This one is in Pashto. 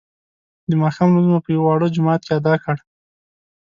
د ماښام لمونځ مو په یوه واړه جومات کې ادا کړ.